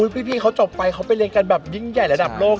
พี่เขาจบไปเขาไปเรียนกันแบบยิ่งใหญ่ระดับโลก